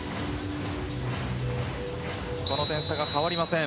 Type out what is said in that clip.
この点差が変わりません。